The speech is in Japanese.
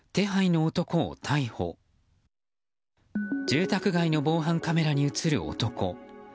住宅街の防犯カメラに映る男。